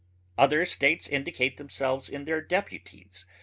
Other states indicate themselves in their deputies